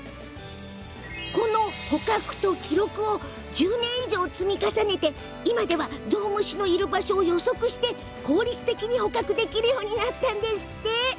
この捕獲と記録を１０年以上積み重ね、今ではゾウムシのいる場所を予測して効率的に捕獲できるようになったんですって。